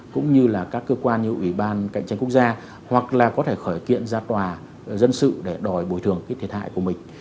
cũng như là các cơ quan như ủy ban cạnh tranh quốc gia hoặc là có thể khởi kiện ra tòa dân sự để đòi bồi thường cái thiệt hại của mình